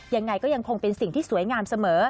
ยังไงก็ยังคงเป็นสิ่งที่สวยงามเสมอ